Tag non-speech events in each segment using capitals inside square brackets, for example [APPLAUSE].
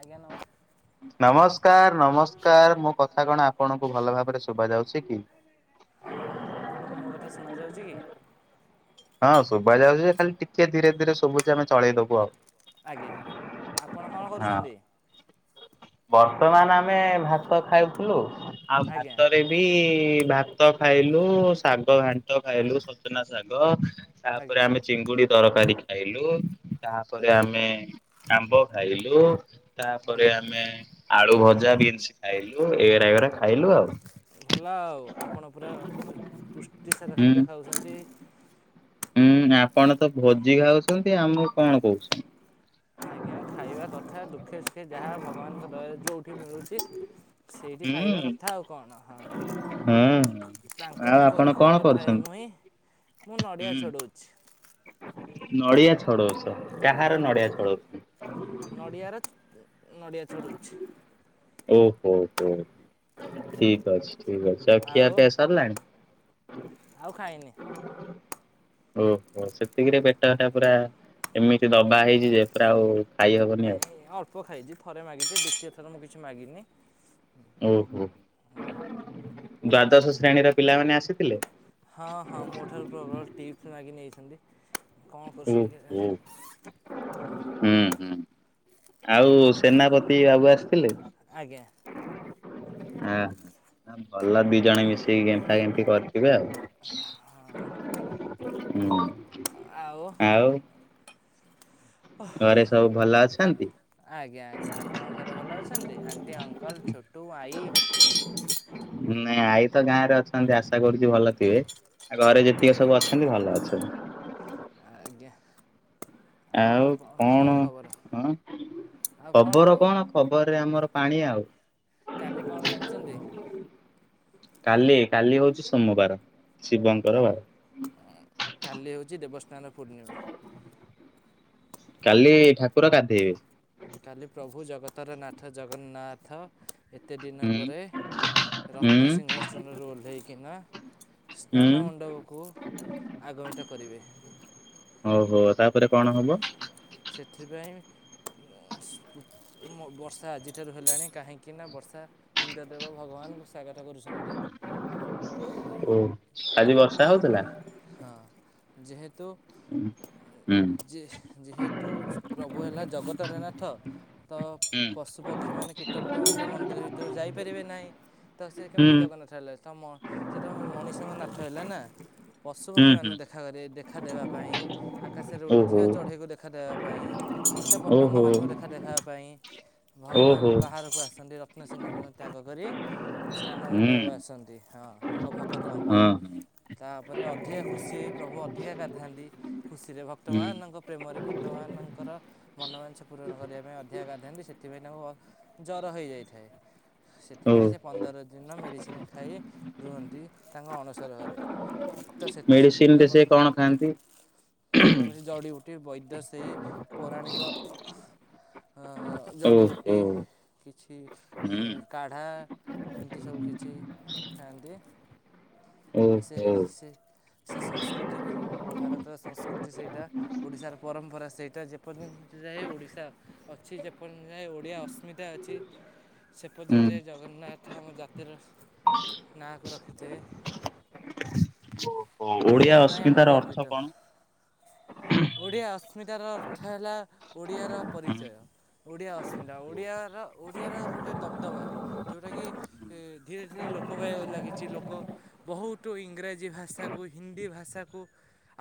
ଆଜ୍ଞା ନମସ୍କାର। ନମସ୍କାର ନମସ୍କାର ମୁଁ କଥା କଣ ଆପଣଙ୍କୁ ଭଲ ଭାବରେ ଶୁବା ଯାଉଚି କି? ହଁ ହଁ ଆପଣ ତ ଶୁଣା ଯାଉଚି କି? ହଁ ଶୁବା ଯାଉଚି ଯେ ଖାଲି ଟିକେ ଧୀରେ ଧୀରେ ଶୁବୁଚି ଆମେ ଚଳେଇଦବୁ ଆଉ। ଇଆ ଆପ ଝନ୍ଦି ଅର୍ତ୍ତମାନ ଆମେ ଭାତ ଖାଉଥୁଲୁ ଆଉ ଆଜ୍ଞା ଭାତରେ ବି ଭା ତ ଖାଇଲୁ ଶାଗ ଘାଣ୍ଟ ଖାଇଲୁ ସଜନା ଶାଗ ତାପରେ ଆଜ୍ଞା ଆମେ ଚିଙ୍ଗୁଡ଼ି ତରକାରୀ ଖାଇଲୁ ତାପରେ ଆମେ ଆମ୍ବ ଖାଇଲୁ ତାପରେ ଆଜ୍ଞା ଆମେ ଆଳୁ ଭଜା ବିନ୍ସ୍ ଖାଇଲୁ ଏରା ଏରା ଖାଇଲୁ ଆଉ। ଭଲ ଆଉ ଆପଣ ପୁରା ପୁଷ୍ଟି ସାର ହୁଁ। ଖାଦ୍ୟ ଖାଉଛନ୍ତି। ହୁଁ ଆପଣ ତ ଭୋଜି ଖାଉଛନ୍ତି ଆମକୁ କଣ କହୁଛନ୍ତି? ଆଜ୍ଞା ଖାଇବା କଥା ଦୁଃଖେ ସୁଖେ ଯାହା ଭଗବାନଙ୍କ ଦୟାରୁ ଯୋଉଠି ମିଳୁଚି। ସେଇଠି ଖାଇବା ହୁଁ କଥା ଆଉ କଣ ହଁ। ହୁଁ ଆଉ ତାଙ୍କରି ଆପଣ କଣ କରିିକରାଉ ଥାଏ କରୁଛନ୍ତି? ମୁହିଁ ମୁଁ ନଡ଼ିଆ ଛଡ଼ଉଛି। ନଡ଼ିଆ ଛଡ଼ଉଛ, କାହାର ନଡ଼ିଆ ଛଡ଼ଉଛ? ନଡ଼ିଆର ନଡ଼ିଆ ଛଡ଼ଉଛି। ଓହୋ ହୋ ଠିକ ଅଛି। ଠିକ ଅଛି। ଆଉ ଖିଆ ପିଆ ସରଲାଣି? ଆଉ ଖାଇନି ଓହୋ ସେତିକିରେ ପେଟଟା ପୁରା ଏମିତି ଦବା ହେଇଚି ଯେ ପୁରା ଆଉ ଖାଇ ହବନି ଆଉ ନାଇଁ ଅଳ୍ପ ଖାଇଚି ଥରେ ମାଗିଚି ଦ୍ଵିତୀୟ ଥର ମୁଁ କିଛି ମାଗିନି। ଓହୋ ଦାଦାସ ହଁ ହଁ ମୋ ଠାରୁ ପ୍ରବଳ ଟିପସ୍ ମାଗି ନେଇଛନ୍ତି। କଣ ଓହୋ କରୁଛନ୍ତି କେଜାଣି ହୁଁ ହୁଁ। ଆଉ ସେନାପତି ବାବୁ ଆସିଥିଲେ? ଆଜ୍ଞା। ଆ ଭଲ ଦି ଜଣ ମିଶେଇି ଗେମ୍ଫା ଗେମ୍ଫି କରିଥିବେ ଆଉ ହୁଁ। ଆଉ ଓ ଘରେ ସବୁ ଭଲ ଅଛନ୍ତି? ଆଜ୍ଞା ଆଜ୍ଞା ଆପଣଙ୍କ ଘରେ ଭଲ ଅଛନ୍ତି? ଆଣ୍ଟି, ଅଙ୍କଲ୍, ଛୋଟ ନାଇଁ ଆଇ ତ ଗାଁ ରେ ଅଛନ୍ତି ଆଶା କରୁଛି ଭଲ ଥିବେ? ଆ ଘରେ ଆଜ୍ଞା। ଯେତିକି ସବୁ ଅଛନ୍ତି ଭଲ ଅଛନ୍ତି। ଆଜ୍ଞା ଆଉ କଣ? ହଁ! ଆଉ ଖବର ଖବର? କଣ? ଖବରରେ ଆମର ପାଣି ଆଉ। କାଲି କଣ ଜାଣିଛନ୍ତି? କାଲି କାଲି ହଉଛି ସୋମବାର ଶିବଙ୍କର ବାର। ସ୍ନାନ ପୂର୍ଣ୍ଣିମା। କାଲି ଠାକୁର ଗାଧେଇବେ? କାଲି ପ୍ରଭୁ ଜଗତର ନାଥ ଜଗନ୍ନାଥ ଏ କେତେ ଦିନ ହୁଁ ପରେ ହୁଁ ରତ୍ନସିଂହାସନରୁ ଓହ୍ଲାଇକିନା ହୁଁ। ସ୍ନାନ ମଣ୍ଡପକୁ ଆଗମିତ କରିବେ। ଓହୋ ତାପରେ କଣ ହବ? ସେଥିପାଇଁ [UNINTELLIGIBLE] ବର୍ଷା ଆଜିଠାରୁ ହେଲାଣି କାହିଁକିନା ବର୍ଷା ଇନ୍ଦ୍ରଦେବ ଭଗବାନ ସ୍ଵାଗତ କରୁଛନ୍ତି। ଓ ଆଜି ବର୍ଷା ହଉଥିଲା? ହଁ ଯେହେ [INAUDIBLE] ହୁଁ ଯେ ଯେହେତୁ ପ୍ରଭୁ ହେଲା ଜଗତରନାଥ। ତ ହୁଁ। ପଶୁପକ୍ଷୀମାନେ କୀଟପର୍ତ୍ତମ [UNINTELLIGIBLE] ତ ମନ୍ଦିର ଭିତରୁ ଯାଇପାରିବେ ନାହିଁ। ତ ସେ ହୁଁ କେମିତି ଜଗନ୍ନାଥ ହେଲେ? ତ ସେ ତ ମଣିଷଙ୍କ ନା [UNINTELLIGIBLE] ଥ ହେଲେ ନା? ହୁଁ ପଶୁପକ୍ଷୀମାନଙ୍କୁ ହୁଁ ଦେଖାକ [INAUDIBLE] ଦେଖା ଦେବା ପାଇଁ ଆକାଶରେ ଓହୋ ଉଡୁଥିବା ଚଢ଼େଇକୁ ଦେଖା ଦେବା ପାଇଁ, କିଟ ପତଙ୍ଗ ଓହୋ ମାନଙ୍କୁ ଦେଖା ଦେଖିବା ପାଇଁ ଭଗବାନ ଓହୋ ବାହାରକୁ ଆସନ୍ତି ରତ୍ନସିଂହାସନ ତ୍ୟାଗ କରି। ସ୍ନାନ ହୁଁ ମଣ୍ଡପ ଆସନ୍ତି। ହଁ ତାଙ୍କ ଭକ୍ତଙ୍କ ପାଇଁ, ହଁ। ତା ତାପରେ ଅଧିକା ଖୁସି ହେଇ ପ୍ରଭୁ ଅଧିକା ଗାଧାନ୍ତି ଖୁସିରେ, ହୁଁ ଭକ୍ତବାନଙ୍କ ପ୍ରେମରେ ଭକ୍ତମାନଙ୍କ ତାଙ୍କର ମନୋବାଞ୍ଛା ପୂରଣ କରିବା ପାଇଁ ଅଧିକା ଗାଧାନ୍ତି। ସେଥିପାଇଁ ତାଙ୍କୁ ଆ ଜର ହୋଇଯାଇଥାଏ। ସେଥିପାଇଁ ସେ ଓହୋ ପନ୍ଦର ଦିନ ମେଡ଼ିସିନ ଖାଇ ରୁହନ୍ତି ତାଙ୍କ ଅଣସର ଘରେ। ତ ମେଡିସିନ ସେଦିନ ରେ ସେ କଣ ଖାଆନ୍ତି? କୌଣସି ଜଡ଼ିବୁଟି ବୈଦ୍ୟ ସେଇ ପୌରାଣିକ ଆ ଜଡ଼ି ଓହୋ ଉଟି। କିଛି ହୁଁ ଉମ୍ କାଢ଼ା ଏମିତି ସବୁ କିଛି ଖାଆନ୍ତି। ଆ ସେ ଓହୋ ସେ ସେ ସଂସ୍କୃତି ବି ଭାରତର [INAUDIBLE] ସଂସ୍କୃତି ସେଇଟା ଓଡ଼ିଶାର ପରମ୍ପରା ସେଇଟା ଯେପରି ଯାଏ ଓଡ଼ିଶା ଅଛି। ଯେପର୍ଯ୍ୟନ୍ତ ଯାଏ ଓଡ଼ିଆ ଅସ୍ମିତା ଅଛି। ସେ ହୁଁ। ପର୍ଯ୍ୟନ୍ତ ଯାଏ ଜଗନ୍ନାଥ ଆମ ଜାତିର ନାଁକୁ ରଖିଥିବେ। ଓଡିଆ ଏହା ପାଇଁ ଆମେ ଅସ୍ମିତାର ଅର୍ଥ ଗର୍ବିତ କଣ? ଓଡ଼ିଆ ଅସ୍ମିତାର ଅର୍ଥ ହେଲା ଓଡ଼ିଆର ପରିଚୟ। ହଁ ଓଡିଆ ଅସ୍ମିତା ଓଡିଆର ଓଡିଆର ଗୋଟେ ଦବଦବା। ଯୋଉଟା କି ଧୀରେ ଧୀରେ ଲୋପ [INAUDIBLE] ଲାଗିଛି। ଲୋକ ବହୁତ ଇଂରାଜୀ ଭାଷାକୁ ହିନ୍ଦୀ ଭାଷାକୁ,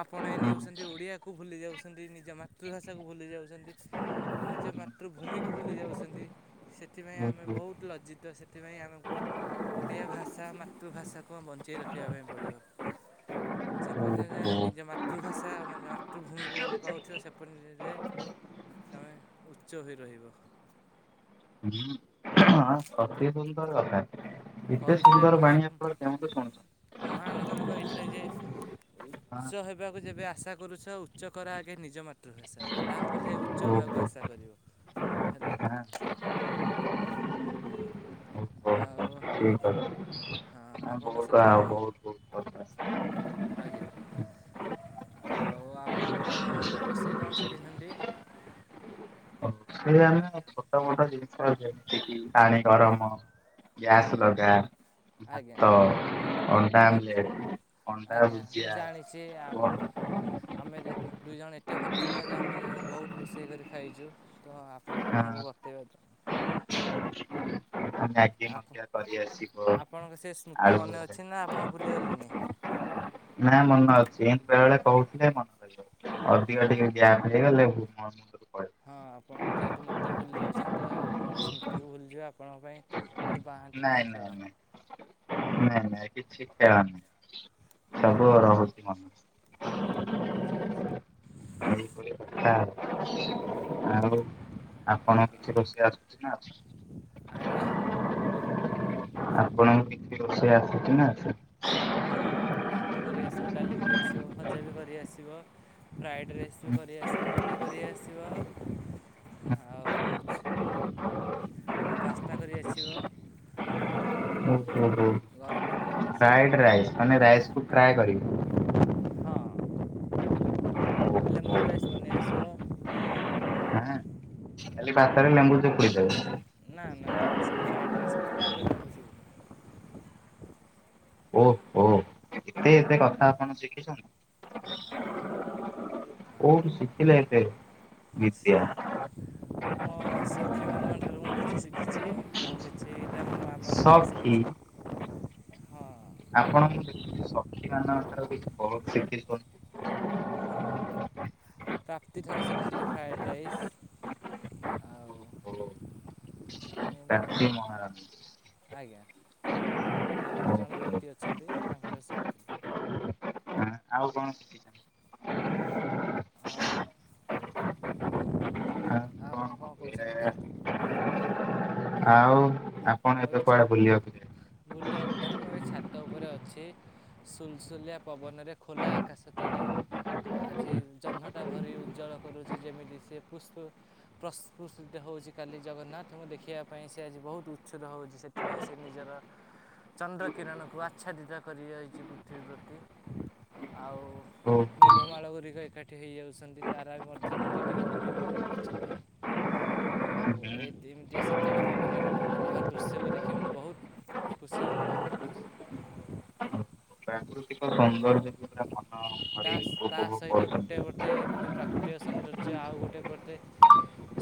ଆପଣାଇ ନେଉଛନ୍ତି। ଓଡ଼ିଆକୁ ଭୁଲି ଯାଉଛନ୍ତି, ନିଜ ମାତୃଭାଷାକୁ ଭୁଲି ଯାଉଛନ୍ତି। ନିଜ ମାତୃଭୂମିକୁ ଭୁଲି ଯାଉଛନ୍ତି। ସେଥିପାଇଁ ଆମେ ବହୁତ ଲଜ୍ଜିତ। ସେଥିପାଇଁ ଆମକୁ ଓଡ଼ିଆ ଭାଷା ମାତୃଭାଷାକୁ ବଞ୍ଚେଇ ରଖିବା ପାଇଁ ପଡ଼ିବ। ଯେପର୍ଯ୍ୟନ୍ତ ନିଜ ମାତୃଭାଷା ଆମର ମାତୃଭୂମିକୁ ଭଲ ପାଉଥିବା ସେପରିରେ ତମେ ଉଚ୍ଚ ହୋଇ ରହିବ। ହୁଁ। ଅତି ସୁନ୍ଦର କଥା ଏତେ କହିଥିଲେ ସୁନ୍ଦର ବାଣୀ ଆପଣ କେଉଁଠୁ ଶୁଣିଚନ୍ତି? ତାଙ୍କୁ ବି କହିଥିଲେ ଯେ ହଁ ଉଚ୍ଚ ହେବାକୁ ଯେବେ ଆଶା କରୁଛ ଉଚ୍ଚ କର ଆଗ ନିଜ ମାତୃଭାଷା ତାପରେ ଯାଇ ଉଚ୍ଚ ହେବାକୁ ଓହୋ ଆଶା କରିବ ହେଲା। ଆଉ ଠିକ ଅଛି। ହଁ ଆପଣ ବହୁତ ଆ ସେଥିପାଇଁ ଆମ ବହୁତ ଆଜ୍ଞା ବହୁତ ଆଉ ଆପଣ କଣ ରୋଷେଇ କଣ ଶିଖିଛନ୍ତି? ସେ ଆମେ ଛୋଟ ମୋଟ ଜିନିଷ ଯେମିତି କି ପାଣି ଗରମ ଗ୍ୟାସ ଆଜ୍ଞା ଲଗା ଆଜ୍ଞା ଭାତ ଅଣ୍ଡା ଆଜ୍ଞା ଆମଲେଟ ଅଣ୍ଡା ଆଜ୍ଞା ମୁଁ ଭୁଜିଆ, ଜାଣିଛି ଆମେ ପରଟା, ଆମେ ଯେ ଦୁଇ ଜଣ ଏତେ ଭଲ ସାଙ୍ଗ ଯେ ଆମେ ବହୁତ ରୋଷେଇ କରି ଖାଇଛୁ। ତ ଆପଣ ଆମକୁ ବତେଇବେ ତ ଆଉ ମ୍ୟାଗି ମଧ୍ୟ କରି ଆସିବ। ତ ଆଳୁ ମନେ ଭଜା ଅଛି ନା ଆପଣ ଭୁଲିଗଲେଣି? ନା ମନେ ଅଛି। ଏମିତି ବେଳେ ବେଳେ କହୁଥିଲେ ମନେ ରହିିବ। ଅଧିକ ଆଜ୍ଞା ଟିକେ ଗ୍ୟାପ ହେଇଗଲେ ହଁ। ହଁ ଆପଣ ଯେହେତୁ ମୋତେ ଭୁଲି ଯାଉଛନ୍ତି। ତ ମୋ ସ୍ମୃତିକୁ ଭୁଲିଯିବ ଆପଣଙ୍କ ପାଇଁ ଗୋଟେ ବାହାନ୍ତରା ହିଁ ନାଇଁ ଖେଳ ନାଇଁ ନାଇଁ ନାଇଁ ନାଇଁ କିଛି ଖେଳ ନାହିଁ। ସବୁ ଆଜ୍ଞା ରହୁଛି ମନେ। ଆଚ୍ଛା ଆଚ୍ଛା ଏଇଭଳି କଥା ଆଉ। ଆଉ ଆପଣଙ୍କୁ କିଛି ରୋଷେଇ ଆସୁଚି ନା ଆସୁନି? ଆଜ୍ଞା ଆପଣଙ୍କୁ କିଛି ରୋଷେଇ ଆସଛି ନା ଆସିନି? ହଁ ଆମକୁ ଭାତ କରି ଆସିବ ଡାଲି କରିଆସିବ ଭଜା ବି କରି ଆସିବ। ଫ୍ରାଏଡ଼୍ ରାଇସ୍ ବି କରି ଆସିବ ମ୍ୟାଗି କରି ଆସିବ। ଆଉ ଆଉ ପାସ୍ତା କରି ଆସିବ। ଆଉ ଓ ଗରମ ପାଣି କରି ଆସିବ ଫ୍ରାଇଡ ରାଇସ୍ ମାନେ ରାଇସ କୁ ଫ୍ରାଏ ରାଇସ [UNINTELLIGIBLE] ହାଁ ଖାଲି ଭାତରେ ଲେମ୍ବୁ ଚିପୁଡ଼ି ଦେଉଚ? ନା ନା ତାକୁ ସେଇ ଫ୍ରାଏଡ଼୍ [UNINTELLIGIBLE] ଓହ ହୋ ହୋ ଏତେ ଏତେ କଥା ଆପଣ ଶିଖିଛନ୍ତି? ଆଜ୍ଞା କୋଉଁଠୁ ଆଉ ଶିଖିଲେ ଏତେ ବିଦ୍ୟା? ଇଛି ଆଉ କିଛି ସକ୍ଷୀ। ହଁ ଆପଣ ମୁଁ ଦେଖୁଛିି ସକ୍ଷୀ ମାନଙ୍କ ଠାରୁ କିଛି ବହୁତ ହଁ ଶିଖିଛନ୍ତି। ପ୍ରାପ୍ତି ଠାରୁ ଶିଖିଥିଲି ଫ୍ରାଏଡ଼୍ ରାଇସ୍ ଆଉ ଏମିତି ଆଉ ସ୍ବତୀ ମହାରାଣୀ ଆଜ୍ଞା ନାମକ ଜଣେ ଓହୋ। ବ୍ୟକ୍ତି ଅଛନ୍ତି ତାଙ୍କଠାରୁ ଶୁଖିଥିଲି। ଆଉ କଣ ଶିଖିଚ? ଆଉ ଆ କଣ ଆଉ କଣ ହୁଏ? କହୁଛନ୍ତି କୁହନ୍ତୁ? ଆଉ ଆପଣ ମୁଁ ଏ ଏବେ କୁଆଡେ ଛାତ ବୁଲିବାକୁ ଯାଇଥିଲେ? ବୁଲିବାକୁ ନାହିଁ ମୁଁ ଏ ଛାତ ଉପରେ ଅଛି। ଅଛି ସୁଲସୁଲିଆ ପବନରେ ଖୋଲା ଆକାଶ ତଳେ ଆଜି ଜହ୍ନଟା ଭାରି ଉଜ୍ଜଳ କରୁଛି ଯେମିତି ସି ପୁଷ୍ପ ପ୍ରୁିତ ହେଉଛି। ଆଜିକାଲି ଜଗନ୍ନାଥଙ୍କୁ ଦେଖିବା ପାଇଁ ସେ ଆଜି ବହୁତ ଉଛୁଦ ହେଉଛି ସେଥିପାଇଁ ସେ ନିଜର ଚନ୍ଦ୍ର କିରଣକୁ ଆଚ୍ଛାଦିତ କରି ଯାଇଛି ପୃଥିବୀ ପ୍ରତି ଆଉ ଓହୋ ମେଘ ହୁଁ। ମାଳ ଗୁଡ଼ିକ ଏକାଠି ହେଇଯାଉଛନ୍ତି। ତାରା ମଧ୍ୟ ଟିକେ ଟିକେ ଫୁଟି ଅଛନ୍ତି। ଆଉ ଏଇ ଦମିତି ଶୀତଳ ପବନରେ ମନ ଅଲକାରା ଦୃଶ୍ୟକୁ ଦେଖି ମୁଁ ବହୁତ ଖୁସି ଅନୁଭବ କରୁଛି। ପ୍ରାକୃତିକ ସୌନ୍ଦର୍ଯ୍ୟକୁ ପୁରା ମନ ତା ଭରି ତା ଉପଭୋଗ ସହିତ ଗୋଟେ କରୁଛନ୍ତି। ଗଟେ ଏମିତି ପ୍ରାକୃତିକ ସୌନ୍ଦର୍ଯ୍ୟ ଆଉ ଗୋଟେ ପଟେ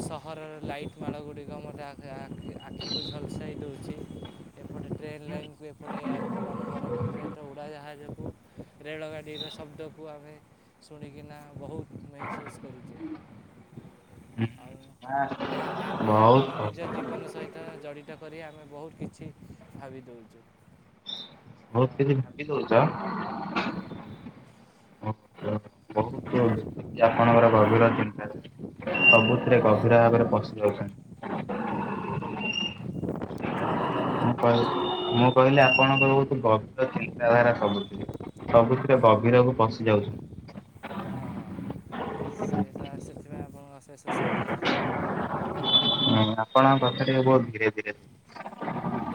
ସହରର ଲାଇଟ୍ ମାଳ ଗୁଡ଼ିକ ମୋତେ ଆଖିକୁ ଝଲସାଇ ଦେଉଛି। ଏପଟେ ଟ୍ରେନ୍ ଲାଇନ୍କୁ ଏପଟେ ଏୟାରପୋର୍ଟ ଆମ ଘର ପାଖରେ ତ ଉଡ଼ାଜାହାଜକୁ ରେଳ ଗାଡ଼ିର ଶବ୍ଦକୁ ଆମେ ଶୁଣିକିନା ବହୁତ ମେହସୁସ୍ କରୁଛୁ। ଆଉ ହୁଁ। ଏହା ଏହାକୁ ବହୁତ ଆମ ଭଲ। ନିଜ ଜୀବନ ସହିତ ଜଡ଼ିତ କରି ଆମେ ବହୁତ କିଛି ଭାବି ଦଉଛୁ। ବହୁତ୍ କିଛି ଭାବି ଦଉଚ? ଆଜ୍ଞା ଦେଖୁଛି ଆପଣଙ୍କର ଆଜ୍ଞା ଗଭୀରା ଭାବରେ ପଶିଯାଉଛନ୍ତି। କଣ କହିଲେ ଆଜ୍ଞା ମୁଁ କହିଲି ମୁଁ କହିଲି ଆପଣଙ୍କର ଗୋଠ ଗଭୀର ଚିନ୍ତାଧାରା ସବୁଥିରେ। ସବୁଥିରେ ଗଭୀରକୁ ପଶି ଯାଉଛି। ହଁ ହ ଅଶେଷ ଅଶେଷ ଧନ୍ୟବାଦ। ଆପଣଙ୍କ ପାଖ ଟିକ ବହୁତ ଧୀରେ ଧୀରେ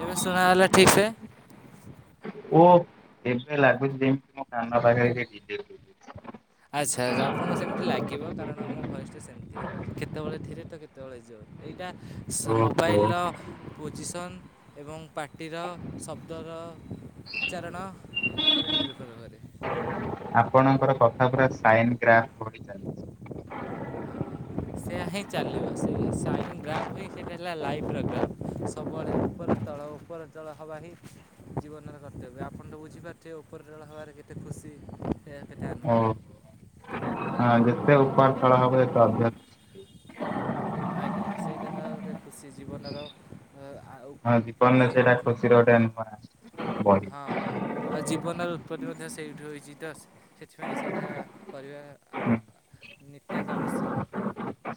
ଏବେ ଶୁଣା ହେଲା ଠିକ ସେ। ଓ ଏ ଲାଗୁଛି ଯେମ କାନ ପାଖରେ କିଏ ଡିଜେ ଆଚ୍ଛା ଆଛା ଆପଣଙ୍କୁ ସେମିତି ଲାଗିବ କାରଣ ଆମ ଭୟସ ଟା ସେମିତି କେତେବେଳେ ଧିରେ ତ କେତେବେଳେ ଜୋର। ଏଇଟା ଓହୋ ମୋବାଇଲ୍ର ପୋଜିସନ୍ ଏବଂ ପାଟିର ଶବ୍ଦର ଉଚ୍ଚାରଣ ଉପରେ ନିର୍ଭର କରେ। ଆପଣଙ୍କର କଥା ପୁରା ସାଇନ ଗ୍ରା ବଢି ଚାଲିଛି। ସେଆା ହିଁ ଚାଲିବ ସେ ହେଲା ଲାଇ ସବୁବେଳେ ତଳ ଉପର ତଳ ହବା ହିଁ ଜୀବନର କର୍ତ୍ତବ୍ୟ ଆପଣ ତ ବୁଝିପାରୁଥିବେ ଉପରେ ରେଳ ହବାରେ କେତେ ଖୁସି କେତେ ଆନନ୍ଦ। [INAUDIBLE] ହଁ ଆଜ୍ଞା ଯେତେ ଉପହାର ଳ ହବ ଏତେ ଅଭସ ଆଜ୍ଞା ସେଇଟା ତ ଗୋଟେ ଖୁସି ଜୀବନ ର। ହଁ ଜୀବନରେ ସେଟା ଖୁସିର ଗଟେ ନୂଆ ବଢି। ପତି ମଧ୍ୟ ସେଇଠି ହୋଇଛି ତ ସେଥିପାଇଁ ସେଇଟା ପରିବା ହୁଁ ନିିତ୍ୟନ୍ତ ଆବଶ୍ୟକ।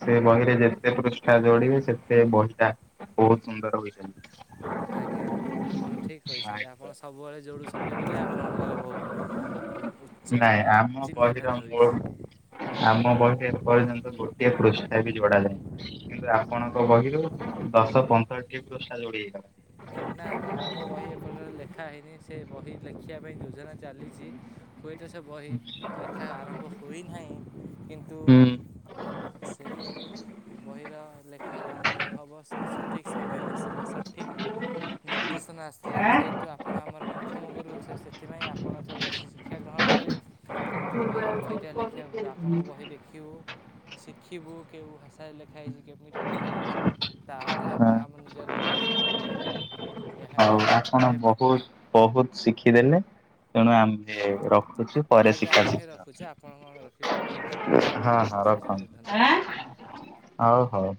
ସେ ବହିରେ ଯେତେ ପୃଷ୍ଠା ଯୋଡିବେ ସେତେ ବହି ଟା ବହୁତ ସୁନ୍ଦର ହୋଇଛନ୍ତି। ଆଜ୍ଞା ଆଜ୍ଞା ଆପଣ ଠିକ କହିଛନ୍ତି ଆପଣ ହୋଇଚାଲିବ। ସବୁବେଳେ ଯୋଡୁ ଅଛନ୍ତି ବୋଲି ଆପଣଙ୍କର ବହୁତ ଉଚ୍ଚ ନାଇଁ ଆମ ବହିର ଚିନ୍ତାଧାରା ମୋ ହୋଇଛି ଆମ ବହିରେ ଏପର୍ଯ୍ୟନ୍ତ ଗୋଟିଏ ପୃଷ୍ଟା ବି ଯୋଡାାଯାଏ କିନ୍ତୁ ନା ଆପଣଙ୍କ ବହିରୁ ଦଶ ପନ୍ଦର ଟି ପୋଷ୍ଟା ଯୋଡି ହେଇଗଲା। ନା ନା ଆମ ବହି ଏପଟରେ ଲେଖା ହେଇନି ସେ ବହି ଲେଖିବା ପାଇଁ ଯୋଜନା ଚାଲିଛି ହୁଏତ ସେ ବହି ଲେଖା ଆରମ୍ଭ ହୋଇନାହିଁ କିନ୍ତୁ ସେଇ ବହିର ଲେଖା ଆରମ୍ଭ ହବ ସଠିକ ସମୟ ଆସିଲେ ସଠିକ ନିର୍ଦ୍ଦେଶନା ଆସିଥିଲେ ଯେହେତୁ ଆପଣ ଆମର ପ୍ରଥମ ଗୁରୁ ସେ ସେଥିପାଇଁ ଆପଣଙ୍କ ର କିଛି ଶିକ୍ଷା ଗ୍ରହଣ କରି ଆମେ ବହିଟା ଲେଖିବାକୁ ଆପଣଙ୍କ ବହି ଦେଖିବୁ ଶିଖିବୁ କେଉଁ ଭାଷାରେ ଲେଖା ହେଇଛି କେମିତି ଲେଖା ହେଇଛି ତାପରେ ଆମେ ଆମ ହଁ ନିଜ ଲାଇଫ ଏଫ ଆପ୍ାଇ କରିବ ଏହାଇ ହଉ ଆପଣ ବହୁତ ବହୁତ ଶିଖିଦେଲେ ତେଣୁ ଆମ ଆଜ୍ଞା ଆମେ ରଖୁଛେ ଆପଣ କଣ ରଖିବେ ଆଉ ହଁ ଆପଣଙ୍କୁ ହଁ ଅଶେଷ ଅଶେଷ ରଖନ୍ତୁ ଧନ୍ୟବାଦ ହଉ ହଉ।